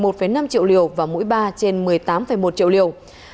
mũi một trên một mươi một năm triệu liều và mũi ba trên một mươi tám một triệu liều